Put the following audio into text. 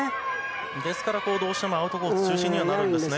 ですから、どうしてもアウトコース中心になるんですね。